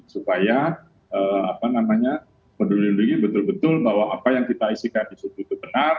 supaya peduli lindungi betul betul bahwa apa yang kita isikan di suku itu benar